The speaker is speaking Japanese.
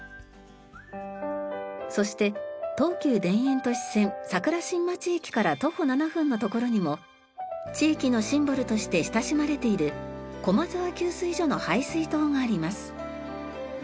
そして東急田園都市線桜新町駅から徒歩７分の所にも地域のシンボルとして親しまれている駒沢給水所の配水塔があります。